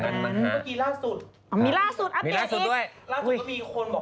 ล่าสุดก็มีคนบอกว่าคุณวูดดี้เนี่ยไม่จ่าย